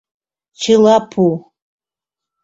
чыла пу.